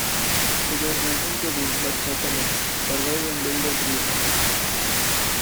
So there's nothing to do but settle in, survive and build a tree house.